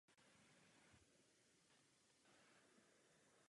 Jaký je názor portugalského předsednictví na tuto záležitost?